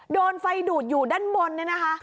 โดนไฟดูดอยู่ด้านบน